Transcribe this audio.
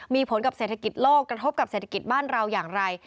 มีผลกับเศรษฐกิจโลกกระทบกับเศรษฐกิจบ้านเราอย่างไร